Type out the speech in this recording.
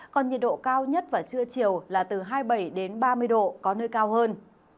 còn nhiệt độ cao nhất vào trưa chiều là từ hai mươi bảy ba mươi độ có nơi cao hơn